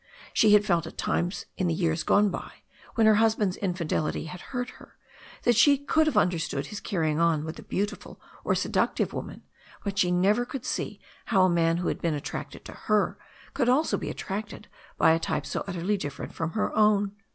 She had felt at times in years gone by, when her husband's infidelity had hurt her, that she could have understood his carrying on with a beautiful or seductive woman, but she never could see how a man who had been attracted by her could also be attracted by a type so utterly different from her own.